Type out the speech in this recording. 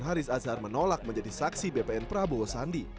haris azhar menolak menjadi saksi bpn prabowo sandi